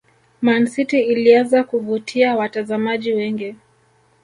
Man city ilianza kuvutia watazamaji wengi